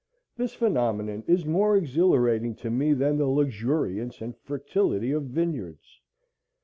This phenomenon is more exhilarating to me than the luxuriance and fertility of vineyards.